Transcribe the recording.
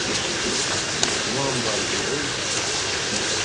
Mu ambari giğun?